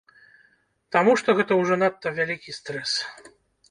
Таму што гэта ўжо надта вялікі стрэс.